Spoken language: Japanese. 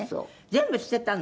全部捨てたの？」